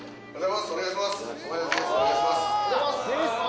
お願いします。